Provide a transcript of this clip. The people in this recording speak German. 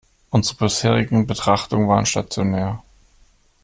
Unsere bisherigen Betrachtungen waren stationär.